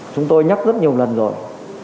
chúng tôi nhắc rất nhiều lần rồi